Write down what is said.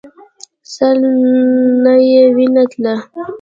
سر نه يې وينه تله.